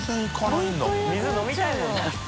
水飲みたいもんな普通。